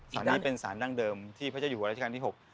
สารนี้เป็นสารดั้งเดิมที่พระเจ้าอยู่หัวราชการที่๖